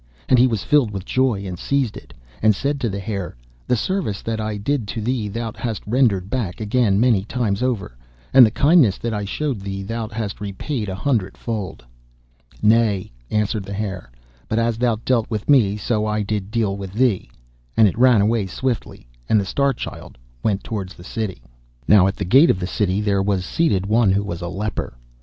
And he was filled with joy, and seized it, and said to the Hare, 'The service that I did to thee thou hast rendered back again many times over, and the kindness that I showed thee thou hast repaid a hundred fold.' 'Nay,' answered the Hare, 'but as thou dealt with me, so I did deal with thee,' and it ran away swiftly, and the Star Child went towards the city. Now at the gate of the city there was seated one who was a leper.